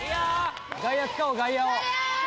外野使おう外野を。